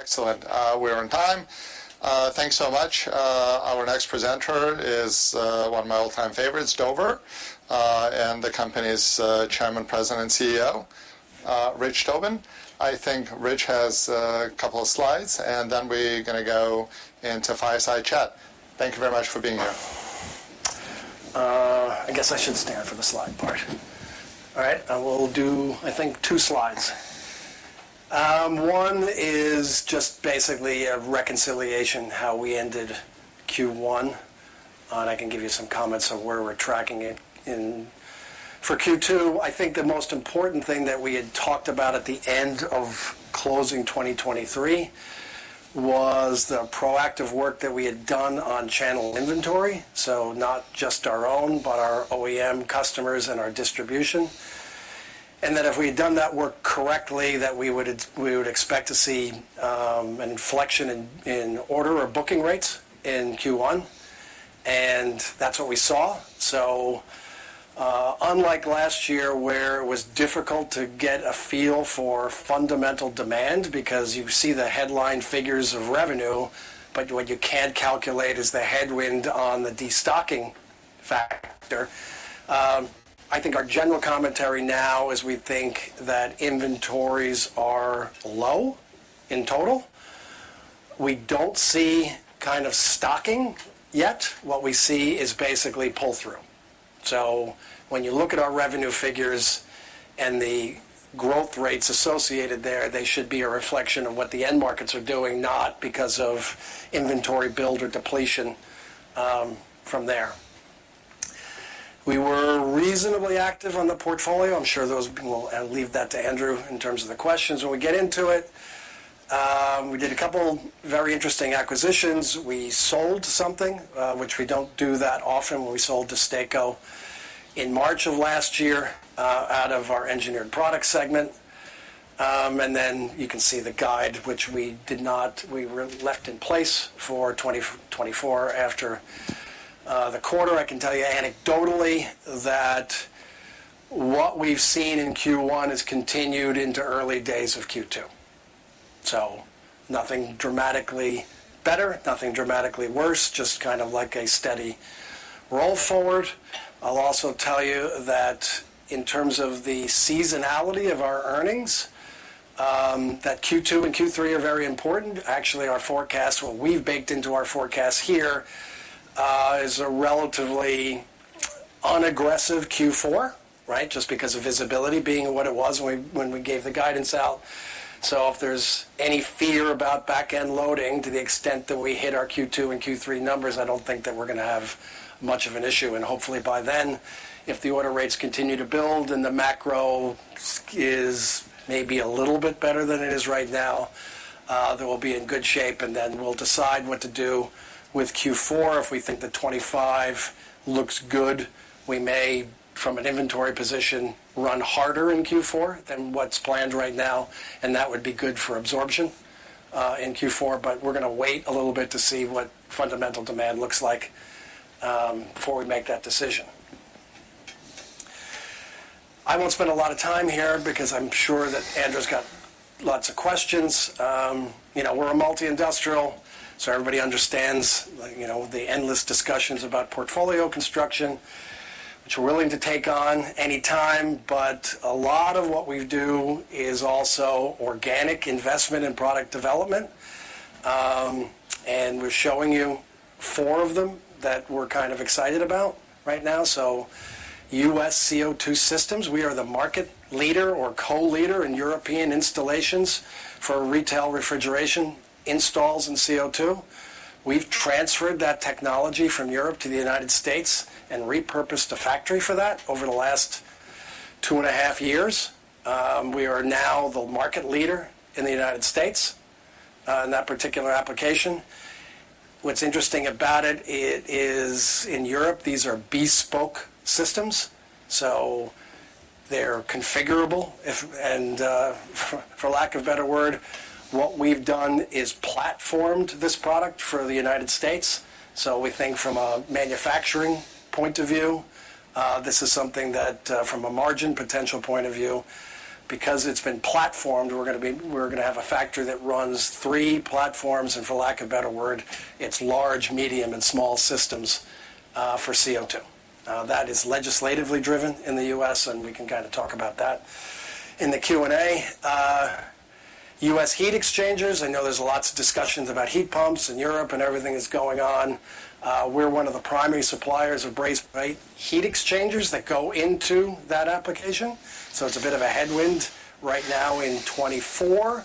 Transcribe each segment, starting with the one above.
Excellent. We're on time. Thanks so much. Our next presenter is one of my all-time favorites, Dover, and the company's Chairman, President, and CEO, Rich Tobin. I think Rich has a couple of slides, and then we're going to go into Fireside Chat. Thank you very much for being here. I guess I should stand for the slide part. All right. We'll do, I think, two slides. One is just basically a reconciliation, how we ended Q1, and I can give you some comments on where we're tracking it. For Q2, I think the most important thing that we had talked about at the end of closing 2023 was the proactive work that we had done on channel inventory, so not just our own but our OEM customers and our distribution. And that if we had done that work correctly, that we would expect to see an inflection in order or booking rates in Q1. And that's what we saw. So unlike last year, where it was difficult to get a feel for fundamental demand because you see the headline figures of revenue, but what you can't calculate is the headwind on the destocking factor, I think our general commentary now is we think that inventories are low in total. We don't see kind of stocking yet. What we see is basically pull-through. So when you look at our revenue figures and the growth rates associated there, they should be a reflection of what the end markets are doing, not because of inventory build or depletion from there. We were reasonably active on the portfolio. I'm sure those we'll leave that to Andrew in terms of the questions. When we get into it, we did a couple very interesting acquisitions. We sold something, which we don't do that often. We sold DESTACO in March of last year out of our Engineered Products segment. And then you can see the guide, which we did not, we left in place for 2024 after the quarter. I can tell you anecdotally that what we've seen in Q1 has continued into early days of Q2. So nothing dramatically better, nothing dramatically worse, just kind of like a steady roll forward. I'll also tell you that in terms of the seasonality of our earnings, that Q2 and Q3 are very important. Actually, what we've baked into our forecast here is a relatively unaggressive Q4, right, just because of visibility being what it was when we gave the guidance out. So if there's any fear about backend loading to the extent that we hit our Q2 and Q3 numbers, I don't think that we're going to have much of an issue. And hopefully, by then, if the order rates continue to build and the macro is maybe a little bit better than it is right now, that we'll be in good shape. And then we'll decide what to do with Q4. If we think that 2025 looks good, we may, from an inventory position, run harder in Q4 than what's planned right now. And that would be good for absorption in Q4. But we're going to wait a little bit to see what fundamental demand looks like before we make that decision. I won't spend a lot of time here because I'm sure that Andrew's got lots of questions. We're a multi-industrial, so everybody understands the endless discussions about portfolio construction, which we're willing to take on anytime. But a lot of what we do is also organic investment and product development. We're showing you four of them that we're kind of excited about right now. U.S. CO2 systems, we are the market leader or co-leader in European installations for retail refrigeration installs in CO2. We've transferred that technology from Europe to the United States and repurposed a factory for that over the last two and a half years. We are now the market leader in the United States in that particular application. What's interesting about it is in Europe, these are bespoke systems. They're configurable. For lack of better word, what we've done is platformed this product for the United States. We think from a manufacturing point of view, this is something that from a margin potential point of view, because it's been platformed, we're going to have a factory that runs three platforms. For lack of better word, it's large, medium, and small systems for CO2. That is legislatively driven in the U.S., and we can kind of talk about that in the Q&A. U.S. heat exchangers, I know there's lots of discussions about heat pumps in Europe and everything that's going on. We're one of the primary suppliers of brazed, right, heat exchangers that go into that application. So it's a bit of a headwind right now in 2024.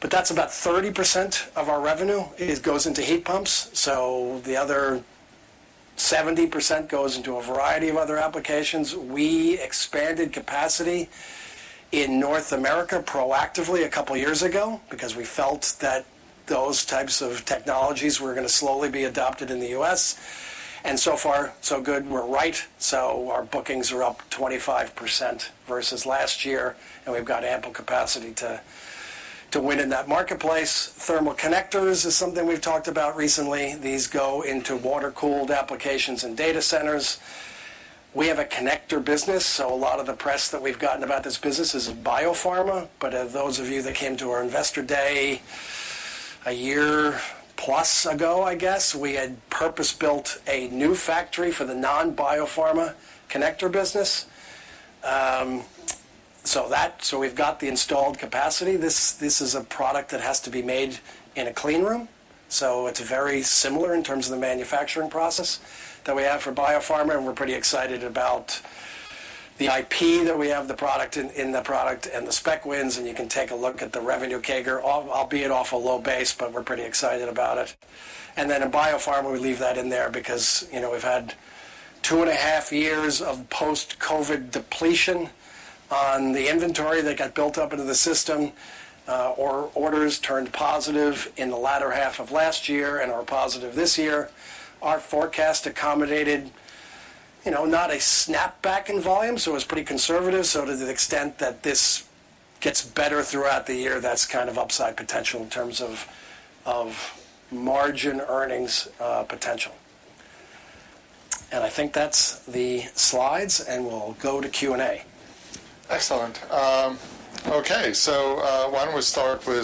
But that's about 30% of our revenue goes into heat pumps. So the other 70% goes into a variety of other applications. We expanded capacity in North America proactively a couple of years ago because we felt that those types of technologies were going to slowly be adopted in the U.S.. And so far, so good. We're right. So our bookings are up 25% vs last year, and we've got ample capacity to win in that marketplace. Thermal connectors is something we've talked about recently. These go into water-cooled applications and data centers. We have a connector business. So a lot of the press that we've gotten about this business is biopharma. But of those of you that came to our investor day a year-plus ago, I guess, we had purpose-built a new factory for the non-biopharma connector business. So we've got the installed capacity. This is a product that has to be made in a clean room. So it's very similar in terms of the manufacturing process that we have for biopharma. And we're pretty excited about the IP that we have, the product in the product, and the spec wins. And you can take a look at the revenue CAGR. We'll be off a low base, but we're pretty excited about it. And then in biopharma, we leave that in there because we've had two and a half years of post-COVID depletion on the inventory that got built up into the system or orders turned positive in the latter half of last year and are positive this year. Our forecast accommodated not a snapback in volume, so it was pretty conservative. So to the extent that this gets better throughout the year, that's kind of upside potential in terms of margin earnings potential. And I think that's the slides, and we'll go to Q&A. Excellent. Okay. So why don't we start with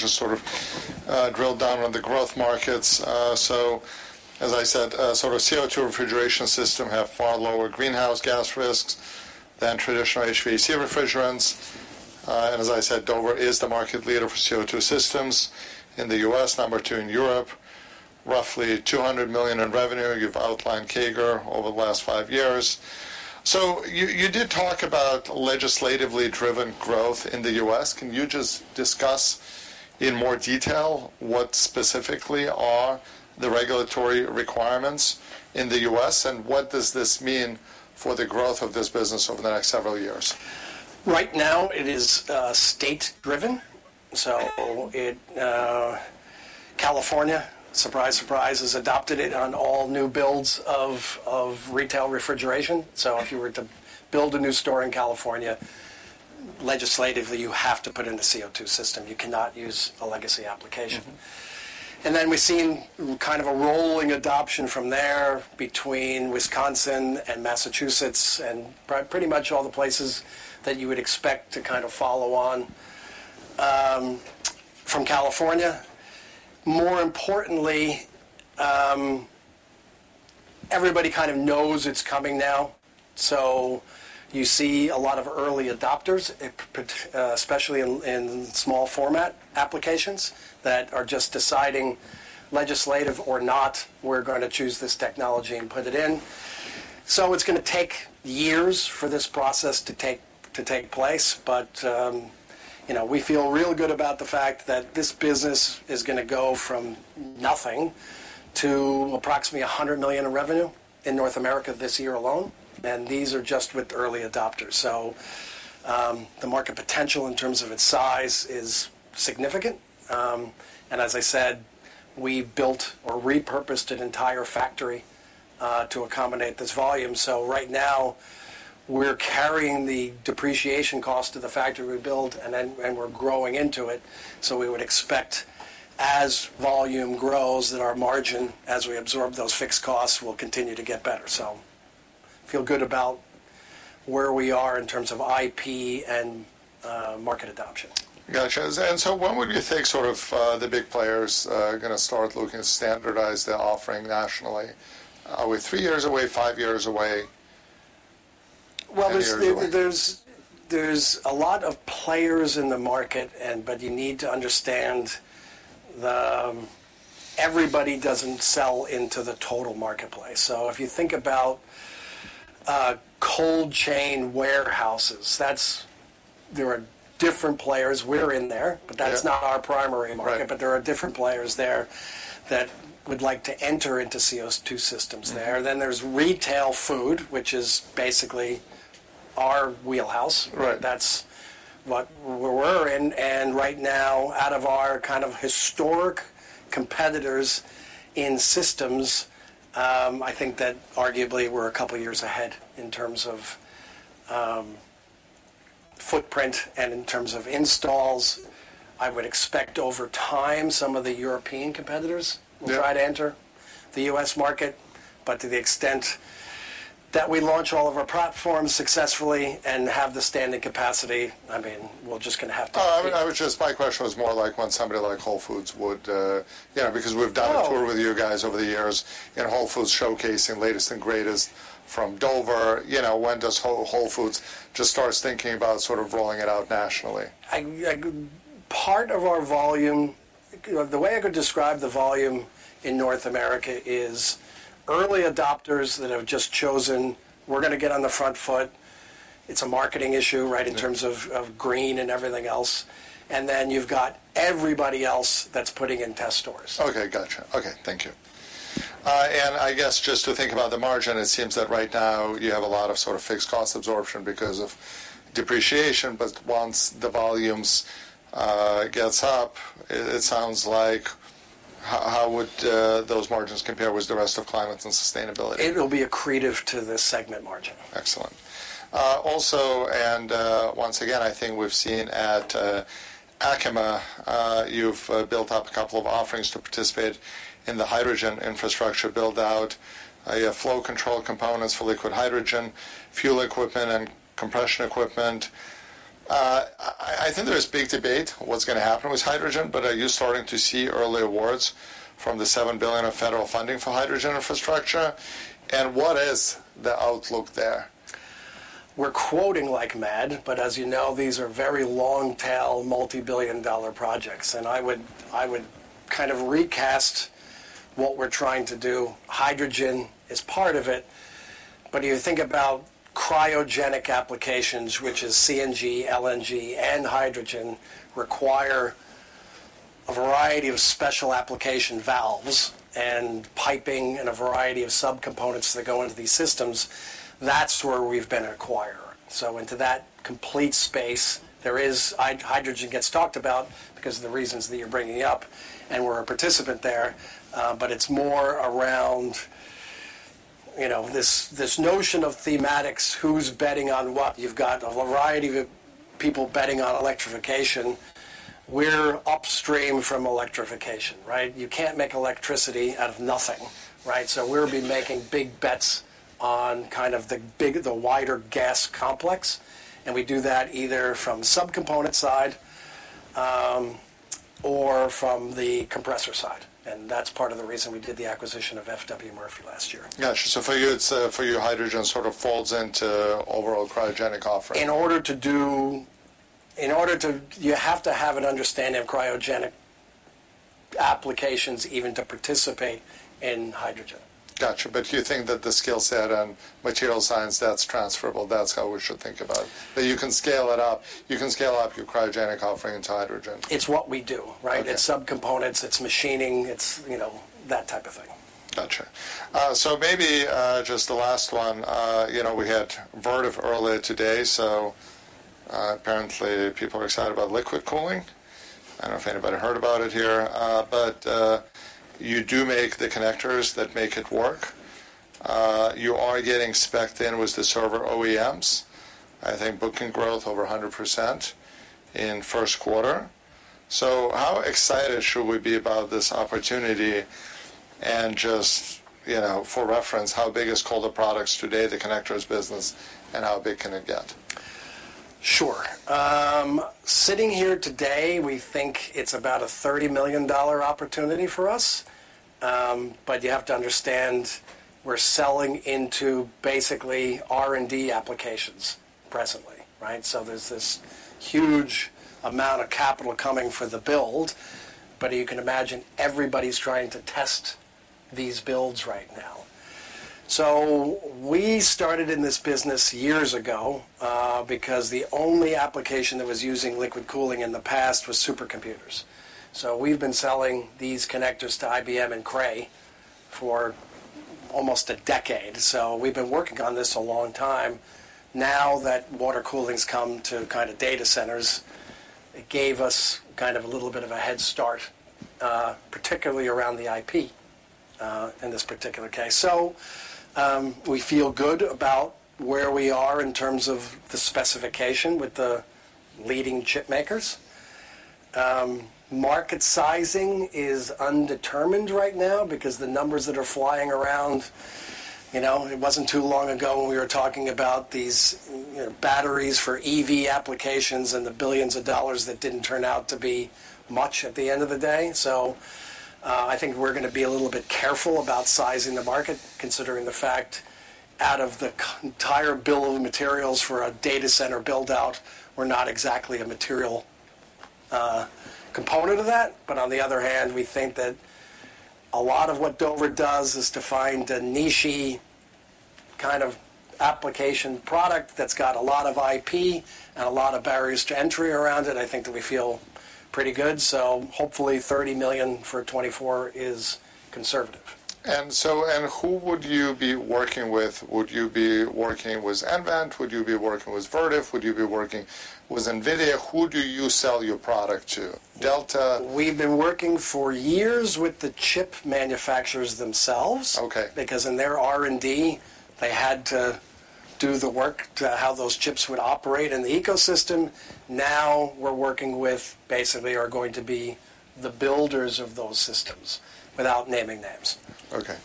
just sort of drill down on the growth markets? So as I said, sort of CO2 refrigeration systems have far lower greenhouse gas risks than traditional HVAC refrigerants. And as I said, Dover is the market leader for CO2 systems in the U.S., number two in Europe, roughly $200 million in revenue. You've outlined CAGR over the last five years. So you did talk about legislatively driven growth in the U.S. Can you just discuss in more detail what specifically are the regulatory requirements in the U.S., and what does this mean for the growth of this business over the next several years? Right now, it is state-driven. So California, surprise, surprise, has adopted it on all new builds of retail refrigeration. So if you were to build a new store in California, legislatively, you have to put in a CO2 system. You cannot use a legacy application. And then we've seen kind of a rolling adoption from there between Wisconsin and Massachusetts and pretty much all the places that you would expect to kind of follow on from California. More importantly, everybody kind of knows it's coming now. So you see a lot of early adopters, especially in small format applications, that are just deciding legislative or not, "We're going to choose this technology and put it in." So it's going to take years for this process to take place. We feel real good about the fact that this business is going to go from nothing to approximately $100 million in revenue in North America this year alone. These are just with early adopters. The market potential in terms of its size is significant. We built or repurposed an entire factory to accommodate this volume. Right now, we're carrying the depreciation cost to the factory we built, and we're growing into it. We would expect, as volume grows, that our margin, as we absorb those fixed costs, will continue to get better. Feel good about where we are in terms of IP and market adoption. Gotcha. And so when would you think sort of the big players are going to start looking to standardize their offering nationally? Are we three years away, five years away? Well, there's a lot of players in the market, but you need to understand everybody doesn't sell into the total marketplace. So if you think about cold chain warehouses, there are different players. We're in there, but that's not our primary market. But there are different players there that would like to enter into CO2 systems there. Then there's retail food, which is basically our wheelhouse. That's what we're in. And right now, out of our kind of historic competitors in systems, I think that arguably we're a couple of years ahead in terms of footprint and in terms of installs. I would expect over time, some of the European competitors will try to enter the U.S. market. But to the extent that we launch all of our platforms successfully and have the standing capacity, I mean, we're just going to have to. My question was more like, when somebody like Whole Foods would—because we've done a tour with you guys over the years in Whole Foods showcasing the latest and greatest from Dover. When does Whole Foods just start thinking about sort of rolling it out nationally? Part of our volume, the way I could describe the volume in North America, is early adopters that have just chosen, "We're going to get on the front foot." It's a marketing issue, right, in terms of green and everything else. And then you've got everybody else that's putting in test stores. Okay. Gotcha. Okay. Thank you. And I guess just to think about the margin, it seems that right now, you have a lot of sort of fixed cost absorption because of depreciation. But once the volumes get up, it sounds like how would those margins compare with the rest of Climate and Sustainability? It will be accretive to the segment margin. Excellent. Also, and once again, I think we've seen at ACHEMA, you've built up a couple of offerings to participate in the hydrogen infrastructure buildout. You have flow control components for liquid hydrogen, fuel equipment, and compression equipment. I think there's big debate what's going to happen with hydrogen. But are you starting to see early awards from the $7 billion of federal funding for hydrogen infrastructure? And what is the outlook there? We're quoting like mad. But as you know, these are very long-tail, multibillion-dollar projects. And I would kind of recast what we're trying to do. Hydrogen is part of it. But if you think about cryogenic applications, which is CNG, LNG, and hydrogen, require a variety of special application valves and piping and a variety of subcomponents that go into these systems, that's where we've been an acquirer. So into that complete space, hydrogen gets talked about because of the reasons that you're bringing up, and we're a participant there. But it's more around this notion of thematics, who's betting on what. You've got a variety of people betting on electrification. We're upstream from electrification, right? You can't make electricity out of nothing, right? So we'll be making big bets on kind of the wider gas complex. And we do that either from subcomponent side or from the compressor side. That's part of the reason we did the acquisition of FW Murphy last year. Gotcha. So for you, hydrogen sort of falls into overall cryogenic offering? You have to have an understanding of cryogenic applications even to participate in hydrogen. Gotcha. But you think that the skill set and material science, that's transferable. That's how we should think about it, that you can scale it up. You can scale up your cryogenic offering into hydrogen. It's what we do, right? It's subcomponents. It's machining. It's that type of thing. Gotcha. So maybe just the last one. We had Vertiv earlier today. So apparently, people are excited about liquid cooling. I don't know if anybody heard about it here. But you do make the connectors that make it work. You are getting specced in with the server OEMs, I think, booking growth over 100% in first quarter. So how excited should we be about this opportunity? And just for reference, how big is Colder Products today, the connectors business, and how big can it get? Sure. Sitting here today, we think it's about a $30 million opportunity for us. But you have to understand we're selling into basically R&D applications presently, right? So there's this huge amount of capital coming for the build. But you can imagine everybody's trying to test these builds right now. So we started in this business years ago because the only application that was using liquid cooling in the past was supercomputers. So we've been selling these connectors to IBM and Cray for almost a decade. So we've been working on this a long time. Now that water cooling's come to kind of data centers, it gave us kind of a little bit of a head start, particularly around the IP in this particular case. So we feel good about where we are in terms of the specification with the leading chipmakers. Market sizing is undetermined right now because the numbers that are flying around it wasn't too long ago when we were talking about these batteries for EV applications and the $ billions that didn't turn out to be much at the end of the day. So I think we're going to be a little bit careful about sizing the market, considering the fact out of the entire bill of materials for a data center buildout, we're not exactly a material component of that. But on the other hand, we think that a lot of what Dover does is to find a niche kind of application product that's got a lot of IP and a lot of barriers to entry around it. I think that we feel pretty good. So hopefully, $30 million for 2024 is conservative. Who would you be working with? Would you be working with nVent? Would you be working with Vertiv? Would you be working with NVIDIA? Who do you sell your product to? Delta? We've been working for years with the chip manufacturers themselves because in their R&D, they had to do the work to how those chips would operate in the ecosystem. Now, we're working with basically are going to be the builders of those systems without naming names. Okay.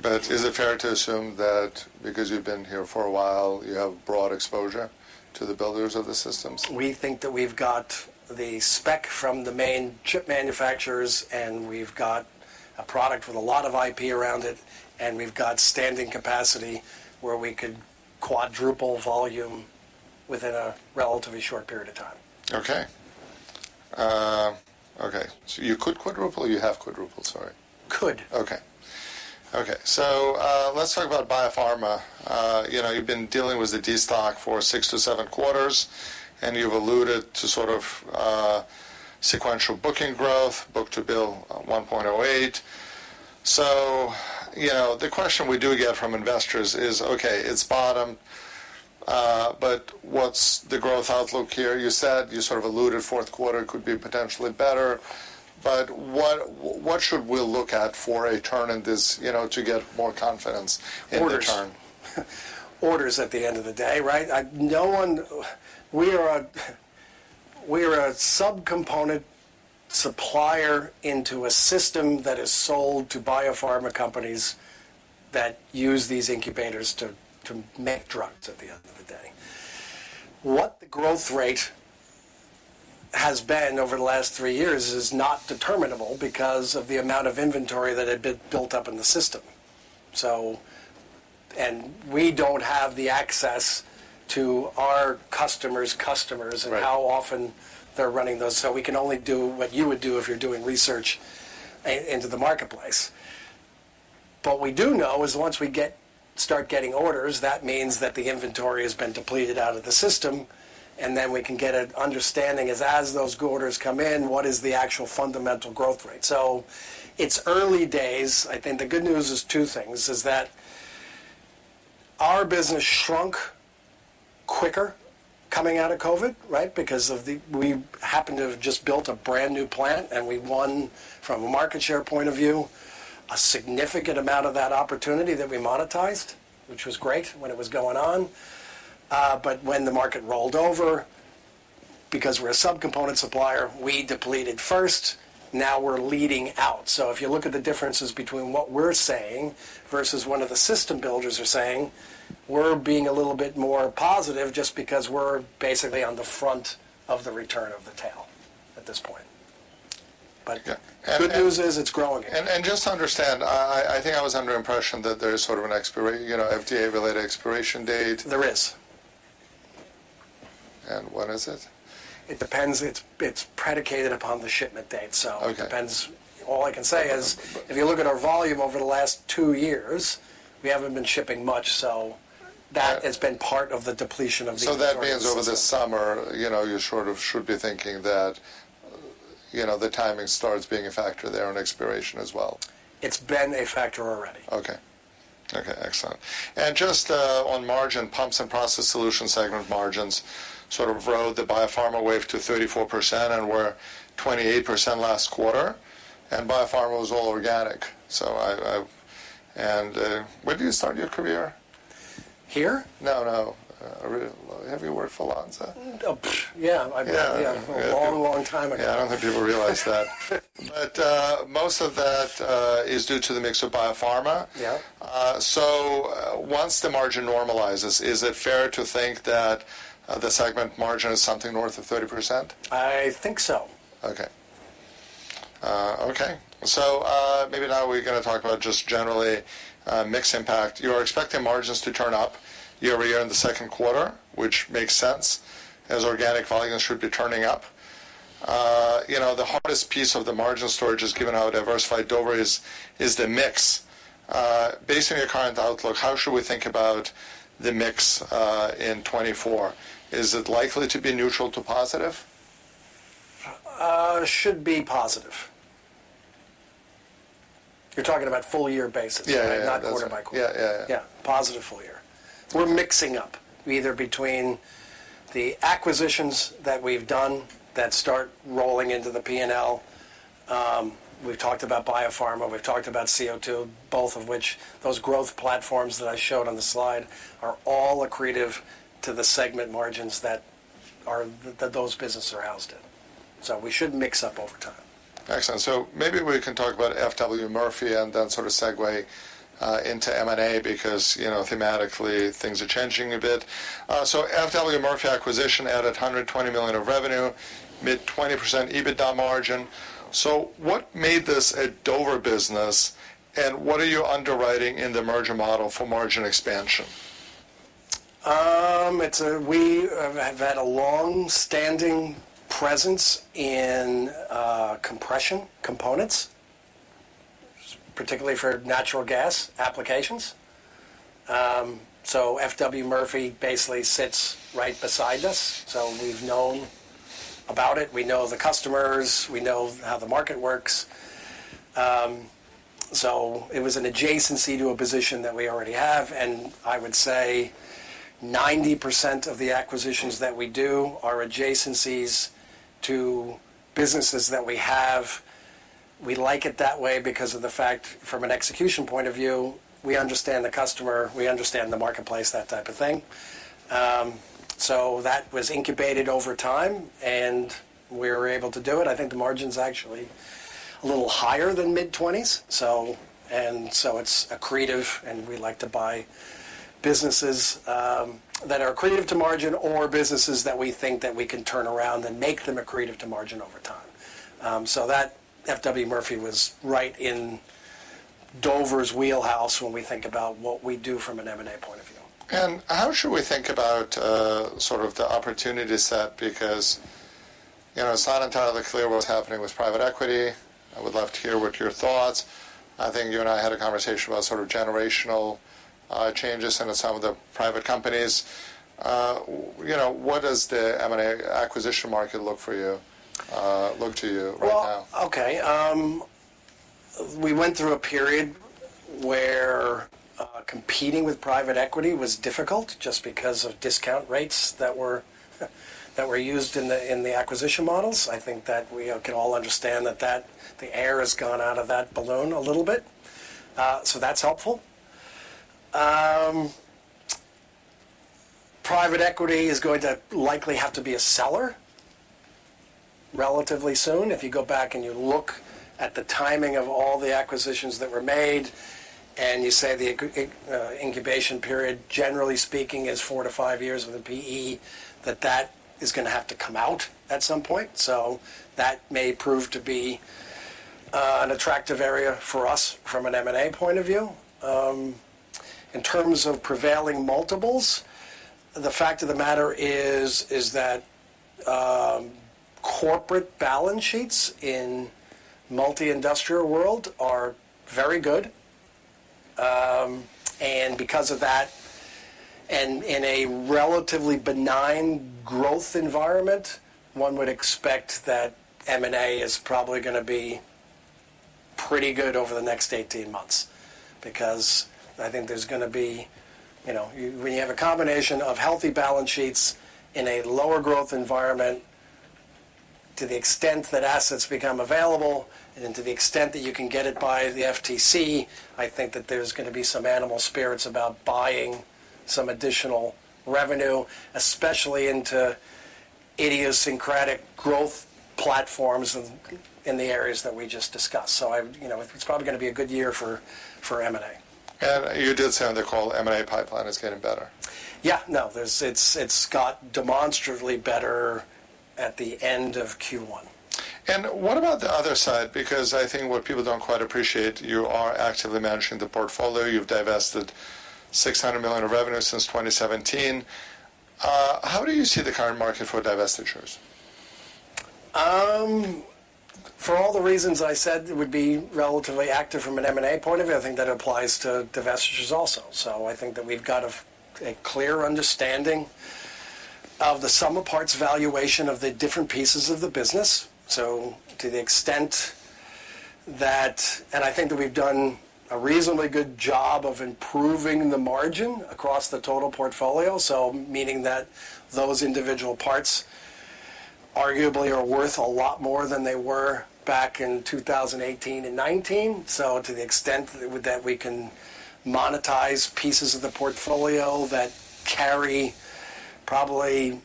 But is it fair to assume that because you've been here for a while, you have broad exposure to the builders of the systems? We think that we've got the spec from the main chip manufacturers, and we've got a product with a lot of IP around it, and we've got standing capacity where we could quadruple volume within a relatively short period of time. Okay. Okay. So you could quadruple? You have quadrupled. Sorry. Could. Okay. Okay. So let's talk about biopharma. You've been dealing with the destock for six to seven quarters, and you've alluded to sort of sequential booking growth, book-to-bill 1.08. So the question we do get from investors is, "Okay. It's bottom. But what's the growth outlook here?" You said you sort of alluded fourth quarter could be potentially better. But what should we look at for a turn in this to get more confidence in return? Orders. Orders at the end of the day, right? We are a subcomponent supplier into a system that is sold to biopharma companies that use these incubators to make drugs at the end of the day. What the growth rate has been over the last three years is not determinable because of the amount of inventory that had been built up in the system. And we don't have the access to our customers' customers and how often they're running those. So we can only do what you would do if you're doing research into the marketplace. But what we do know is once we start getting orders, that means that the inventory has been depleted out of the system. And then we can get an understanding is as those orders come in, what is the actual fundamental growth rate? So it's early days. I think the good news is two things, is that our business shrunk quicker coming out of COVID, right, because we happened to have just built a brand new plant, and we won, from a market share point of view, a significant amount of that opportunity that we monetized, which was great when it was going on. But when the market rolled over because we're a subcomponent supplier, we depleted first. Now, we're leading out. So if you look at the differences between what we're saying vs what the system builders are saying, we're being a little bit more positive just because we're basically on the front of the return of the tail at this point. But good news is it's growing again. Just to understand, I think I was under impression that there's sort of an FDA-related expiration date. There is. When is it? It depends. It's predicated upon the shipment date. So it depends. All I can say is if you look at our volume over the last two years, we haven't been shipping much. So that has been part of the depletion of the inventory. That means over the summer, you sort of should be thinking that the timing starts being a factor there and expiration as well. It's been a factor already. Okay. Okay. Excellent. Just on margin, Pumps & Process Solutions segment margins sort of rode the Biopharma wave to 34%, and we're 28% last quarter. Biopharma was all organic. Where did you start your career? Here? No, no. Have you worked for Lonza? Yeah. Yeah. A long, long time ago. Yeah. I don't think people realize that. But most of that is due to the mix of biopharma. So once the margin normalizes, is it fair to think that the segment margin is something north of 30%? I think so. Okay. Okay. So maybe now we're going to talk about just generally mix impact. You are expecting margins to turn up year-over-year in the second quarter, which makes sense as organic volumes should be turning up. The hardest piece of the margin story, given how diversified Dover is, is the mix. Based on your current outlook, how should we think about the mix in 2024? Is it likely to be neutral to positive? Should be positive. You're talking about full-year basis, right, not quarter by quarter? Yeah. Yeah. Yeah. Yeah. Yeah. Positive full-year. We're mixing up either between the acquisitions that we've done that start rolling into the P&L. We've talked about biopharma. We've talked about CO2, both of which those growth platforms that I showed on the slide are all accretive to the segment margins that those businesses are housed in. So we should mix up over time. Excellent. So maybe we can talk about FW Murphy and then sort of segue into M&A because thematically, things are changing a bit. So FW Murphy acquisition added $120 million of revenue, mid-20% EBITDA margin. So what made this a Dover business? And what are you underwriting in the merger model for margin expansion? We have had a longstanding presence in compression components, particularly for natural gas applications. So FW Murphy basically sits right beside us. So we've known about it. We know the customers. We know how the market works. So it was an adjacency to a position that we already have. And I would say 90% of the acquisitions that we do are adjacencies to businesses that we have. We like it that way because of the fact, from an execution point of view, we understand the customer. We understand the marketplace, that type of thing. So that was incubated over time, and we were able to do it. I think the margin's actually a little higher than mid-20s, so. And so it's accretive. We like to buy businesses that are accretive to margin or businesses that we think that we can turn around and make them accretive to margin over time. That FW Murphy was right in Dover's wheelhouse when we think about what we do from an M&A point of view. How should we think about sort of the opportunity set? Because it's not entirely clear what's happening with private equity. I would love to hear what your thoughts. I think you and I had a conversation about sort of generational changes in some of the private companies. What does the M&A acquisition market look to you right now? Well, okay. We went through a period where competing with private equity was difficult just because of discount rates that were used in the acquisition models. I think that we can all understand that the air has gone out of that balloon a little bit. So that's helpful. Private equity is going to likely have to be a seller relatively soon. If you go back and you look at the timing of all the acquisitions that were made and you say the incubation period, generally speaking, is four to five years with a PE, that that is going to have to come out at some point. So that may prove to be an attractive area for us from an M&A point of view. In terms of prevailing multiples, the fact of the matter is that corporate balance sheets in the multi-industrial world are very good. And because of that, and in a relatively benign growth environment, one would expect that M&A is probably going to be pretty good over the next 18 months because I think there's going to be when you have a combination of healthy balance sheets in a lower growth environment to the extent that assets become available and to the extent that you can get it by the FTC, I think that there's going to be some animal spirits about buying some additional revenue, especially into idiosyncratic growth platforms in the areas that we just discussed. So it's probably going to be a good year for M&A. You did say on the call, M&A pipeline is getting better. Yeah. No. It's got demonstrably better at the end of Q1. What about the other side? Because I think what people don't quite appreciate, you are actively managing the portfolio. You've divested $600 million of revenue since 2017. How do you see the current market for divestitures? For all the reasons I said would be relatively active from an M&A point of view, I think that applies to divestitures also. So I think that we've got a clear understanding of the sum of parts valuation of the different pieces of the business. So to the extent that and I think that we've done a reasonably good job of improving the margin across the total portfolio, so meaning that those individual parts arguably are worth a lot more than they were back in 2018 and 2019. So to the extent that we can monetize pieces of the portfolio that carry probably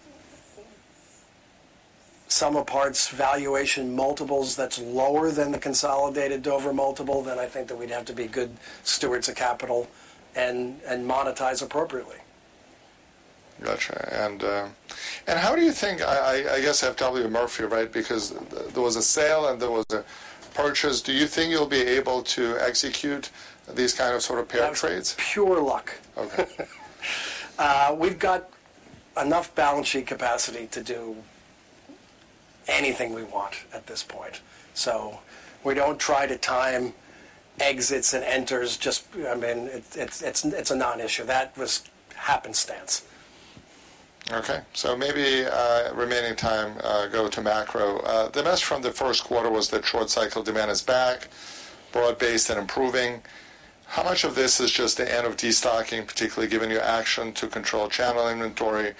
sum of parts valuation multiples that's lower than the consolidated Dover multiple, then I think that we'd have to be good stewards of capital and monetize appropriately. Gotcha. And how do you think I guess FW Murphy, right, because there was a sale, and there was a purchase. Do you think you'll be able to execute these kind of sort of pair trades? That's pure luck. We've got enough balance sheet capacity to do anything we want at this point. So we don't try to time exits and enters just I mean, it's a non-issue. That was happenstance. Okay. So maybe remaining time, go to macro. The mess from the first quarter was that short-cycle demand is back, broad-based, and improving. How much of this is just the end of destocking, particularly given your action to control channel inventory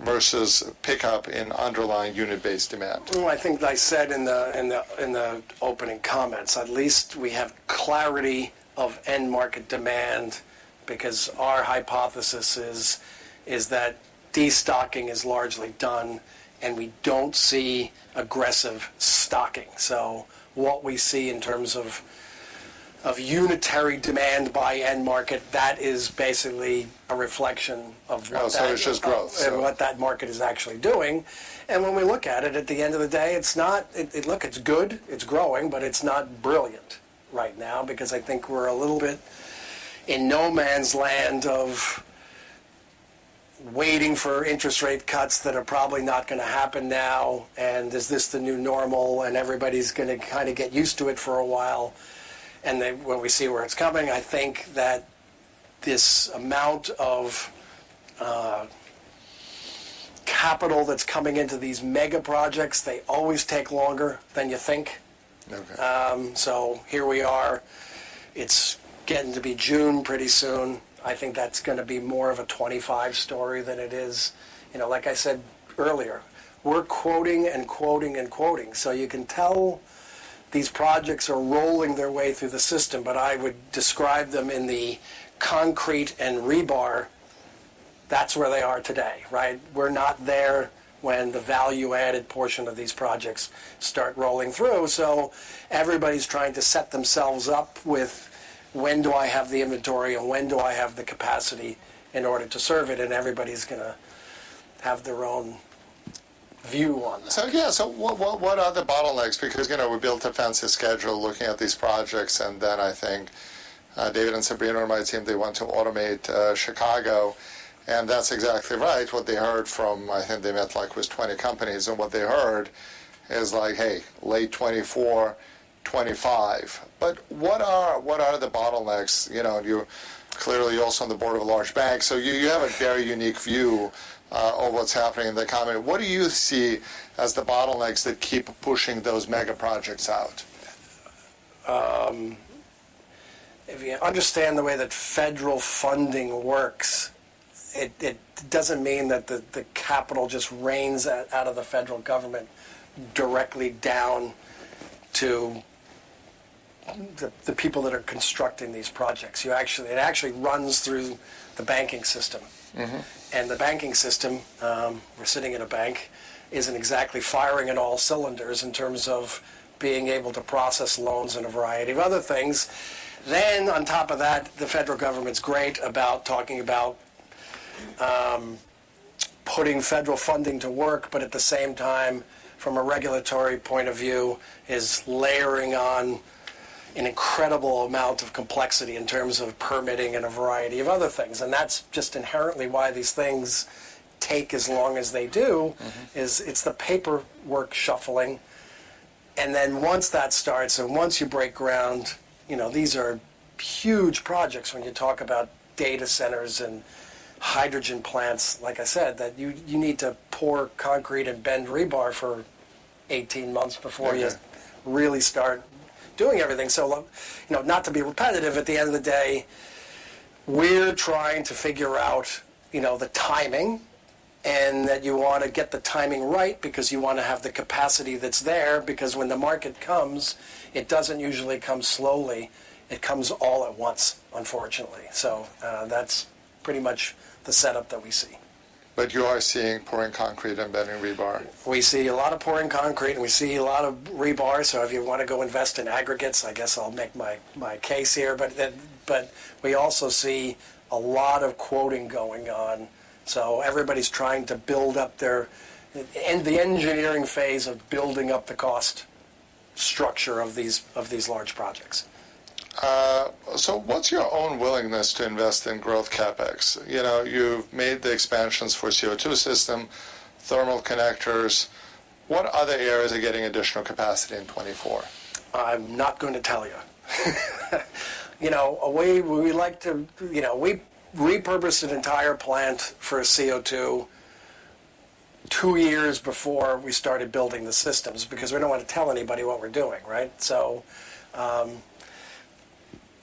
vs pickup in underlying unit-based demand? Oh, I think I said in the opening comments, at least we have clarity of end-market demand because our hypothesis is that destocking is largely done, and we don't see aggressive stocking. So what we see in terms of unitary demand by end-market, that is basically a reflection of what that. Oh, so it's just growth, so. What that market is actually doing. When we look at it, at the end of the day, it's not, it's good. It's growing, but it's not brilliant right now because I think we're a little bit in no-man's land of waiting for interest rate cuts that are probably not going to happen now. Is this the new normal? Everybody's going to kind of get used to it for a while. When we see where it's coming, I think that this amount of capital that's coming into these mega projects, they always take longer than you think. Here we are. It's getting to be June pretty soon. I think that's going to be more of a 2025 story than it is, like I said earlier, we're quoting and quoting and quoting. So you can tell these projects are rolling their way through the system, but I would describe them in the concrete and rebar, that's where they are today, right? We're not there when the value-added portion of these projects start rolling through. So everybody's trying to set themselves up with, "When do I have the inventory, and when do I have the capacity in order to serve it?" And everybody's going to have their own view on that. So yeah. So what are the bottlenecks? Because we built a fancy schedule looking at these projects. And then I think David and Sabrina reminds me they want to automate Chicago. And that's exactly right. What they heard from I think they met with 20 companies. And what they heard is like, "Hey, late 2024, 2025." But what are the bottlenecks? And clearly, you're also on the board of a large bank. So you have a very unique view of what's happening in the economy. What do you see as the bottlenecks that keep pushing those mega projects out? If you understand the way that federal funding works, it doesn't mean that the capital just rains out of the federal government directly down to the people that are constructing these projects. It actually runs through the banking system. The banking system, we're sitting in a bank, isn't exactly firing at all cylinders in terms of being able to process loans and a variety of other things. On top of that, the federal government's great about talking about putting federal funding to work, but at the same time, from a regulatory point of view, is layering on an incredible amount of complexity in terms of permitting and a variety of other things. That's just inherently why these things take as long as they do, is it's the paperwork shuffling. And then once that starts and once you break ground, these are huge projects when you talk about data centers and hydrogen plants, like I said, that you need to pour concrete and bend rebar for 18 months before you really start doing everything. So not to be repetitive, at the end of the day, we're trying to figure out the timing and that you want to get the timing right because you want to have the capacity that's there. Because when the market comes, it doesn't usually come slowly. It comes all at once, unfortunately. So that's pretty much the setup that we see. But you are seeing pouring concrete and bending rebar. We see a lot of pouring concrete, and we see a lot of rebar. So if you want to go invest in aggregates, I guess I'll make my case here. But we also see a lot of quoting going on. So everybody's trying to build up the engineering phase of building up the cost structure of these large projects. So what's your own willingness to invest in growth CapEx? You've made the expansions for CO2 system, thermal connectors. What other areas are getting additional capacity in 2024? I'm not going to tell you. A way we like to, we repurposed an entire plant for CO2 two years before we started building the systems because we don't want to tell anybody what we're doing, right?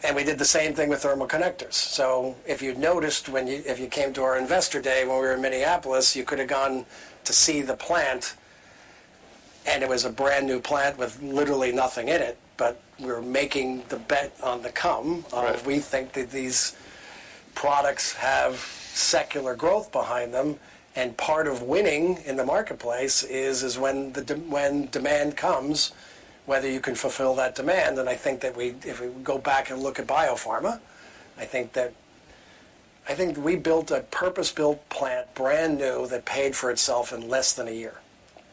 And we did the same thing with thermal connectors. So if you'd noticed, when you came to our investor day when we were in Minneapolis, you could have gone to see the plant, and it was a brand new plant with literally nothing in it. But we're making the bet on the come, on if we think that these products have secular growth behind them. And part of winning in the marketplace is when demand comes, whether you can fulfill that demand. I think that if we go back and look at biopharma, I think that we built a purpose-built plant brand new that paid for itself in less than a year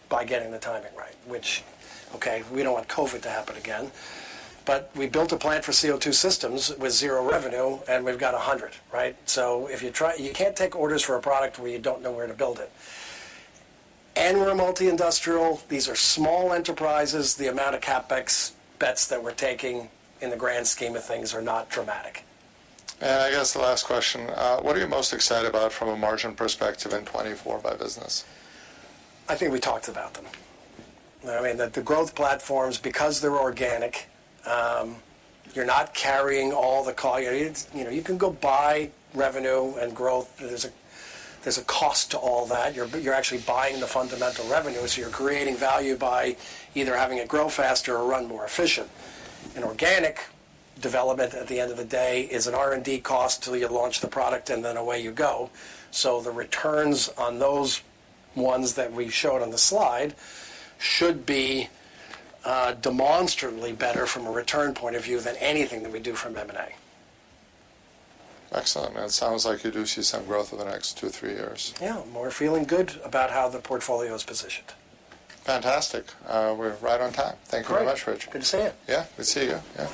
by getting the timing right, which, okay, we don't want COVID to happen again. But we built a plant for CO2 systems with zero revenue, and we've got 100, right? So if you try, you can't take orders for a product where you don't know where to build it. And we're a multi-industrial. These are small enterprises. The amount of CapEx bets that we're taking in the grand scheme of things are not dramatic. I guess the last question, what are you most excited about from a margin perspective in 2024 by business? I think we talked about them. I mean, the growth platforms, because they're organic, you're not carrying all the you can go buy revenue and growth. There's a cost to all that. You're actually buying the fundamental revenue. So you're creating value by either having it grow faster or run more efficient. An organic development, at the end of the day, is an R&D cost till you launch the product, and then away you go. So the returns on those ones that we showed on the slide should be demonstrably better from a return point of view than anything that we do from M&A. Excellent. It sounds like you do see some growth over the next two or three years. Yeah. We're feeling good about how the portfolio is positioned. Fantastic. We're right on time. Thank you very much, Rich. Great. Good to see you. Yeah. Good to see you. Yeah.